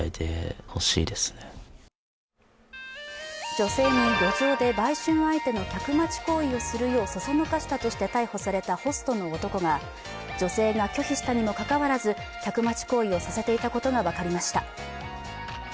女性に路上で売春相手の客待ち行為をするようそそのかしたとして逮捕されたホストの男が女性が拒否したにもかかわらず客待ち行為をさせていたことが分かりました。